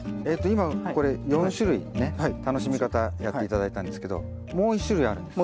今これ４種類ね楽しみ方やって頂いたんですけどもう一種類あるんです。